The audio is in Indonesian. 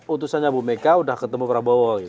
utusannya bu mega udah ketemu prabowo